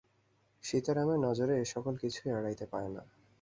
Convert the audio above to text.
সীতারামের নজরে এ সকল কিছুই এড়াইতে পায় না।